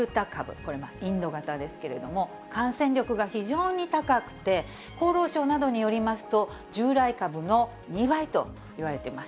これ、インド型ですけれども、感染力が非常に高くて、厚労省などによりますと、従来株の２倍といわれてます。